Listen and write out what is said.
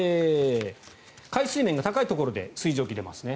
海水面が高いところで水蒸気が出ますね。